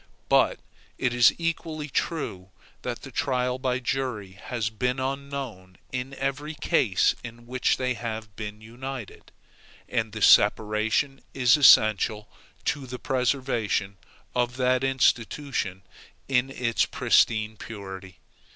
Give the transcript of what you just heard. But it is equally true that the trial by jury has been unknown in every case in which they have been united. And the separation is essential to the preservation of that institution in its pristine purity.